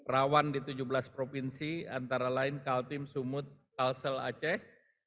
rawan di tujuh belas provinsi antara lain kaltim sumut kalsel aceh